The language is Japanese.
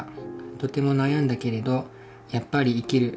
とても悩んだけれどやっぱり生きる。